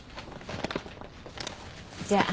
じゃあ。